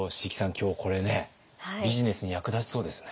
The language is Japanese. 今日これねビジネスに役立ちそうですね。